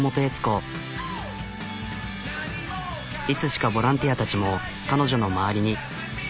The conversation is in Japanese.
いつしかボランティアたちも彼女の周りに。